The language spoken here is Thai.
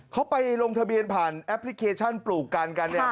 เขาไปลงทะเบียนผ่านแอปพลิเคชันปลูกกันกันเนี่ย